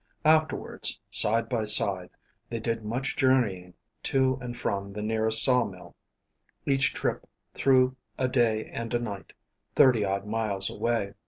Afterwards, side by side, they did much journeying to and from the nearest sawmill each trip through a day and a night thirty odd miles away.